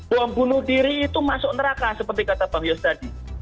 bom bunuh diri itu masuk neraka seperti kata bang yos tadi